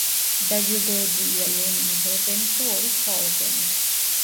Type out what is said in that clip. დაჯილდოებულია ლენინის ორდენით და ორი სხვა ორდენით.